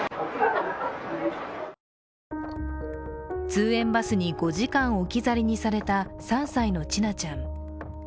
通園バスに５時間置き去りにされた３歳の千奈ちゃん。